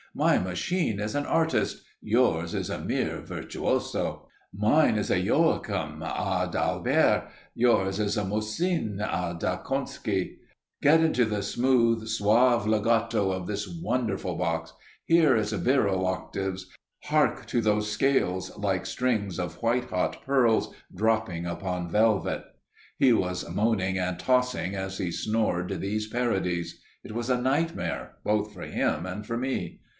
My machine is an artist; yours is a mere virtuoso. Mine is a Joachim, a d'Albert; yours is a Musin, a de Kontski. Get onto the smooth, suave legato of this wonderful box! Hear its virile octaves! Hark to those scales, like strings of white hot pearls dropping upon velvet!" He was moaning and tossing as he snored these parodies. It was a nightmare, both for him and for me.